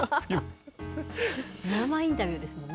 生インタビューですもんね。